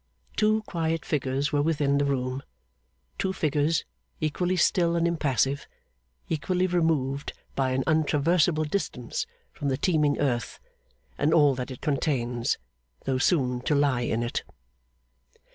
Two quiet figures were within the room; two figures, equally still and impassive, equally removed by an untraversable distance from the teeming earth and all that it contains, though soon to lie in it.